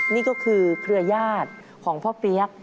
นี่ก็คือเครือญาติของพ่อเปี๊ยก